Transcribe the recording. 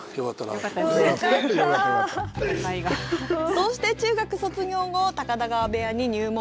そして中学卒業後高田川部屋に入門。